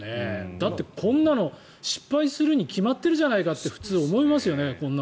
だって、こんなの失敗するに決まっているじゃないかって普通、思いますよね。